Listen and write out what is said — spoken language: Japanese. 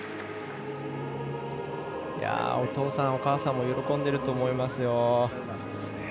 お父さん、お母さんも喜んでいると思いますよ。